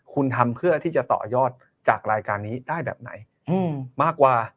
คุณทำเพื่อที่จะต่อยอดจากรายการนี้ได้แบบไหนมากกว่า